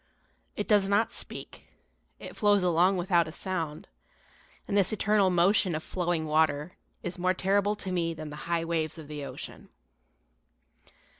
It does not speak, it flows along without a sound; and this eternal motion of flowing water is more terrible to me than the high waves of the ocean.